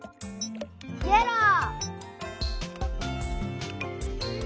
イエロー！